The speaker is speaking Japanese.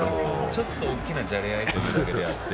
ちょっと、大きなじゃれ合いであって。